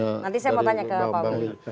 nanti saya mau tanya ke pak budi